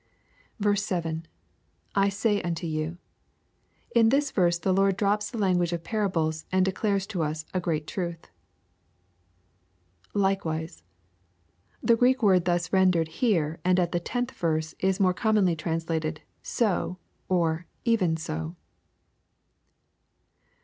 7% — [I say unto you.'\ In this verse the Lord drops the language of parables and declares to us a great truth. [lAkewiae.l T^® Greek word thus rendered here, and at tiie XOth verse, is more commonly translated " so," or " even so."